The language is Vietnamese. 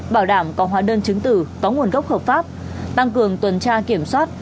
bảo đảm có hóa đơn chứng tử có nguồn gốc hợp pháp tăng cường tuần tra kiểm soát